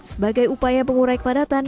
sebagai upaya pengurai kepadatan